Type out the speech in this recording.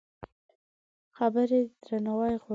خبرې درناوی غواړي.